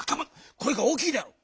こえが大きいであろう！